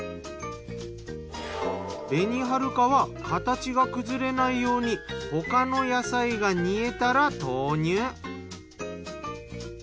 べにはるかは形が崩れないように他の野菜が煮えたら投入。